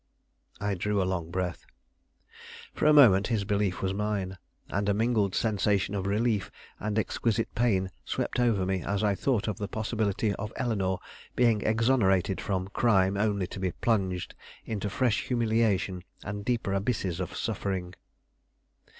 I drew a long breath. For a moment his belief was mine; and a mingled sensation of relief and exquisite pain swept over me as I thought of the possibility of Eleanore being exonerated from crime only to be plunged into fresh humiliation and deeper abysses of suffering.